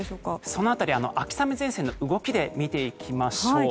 その辺り、秋雨前線の動きで見ていきましょう。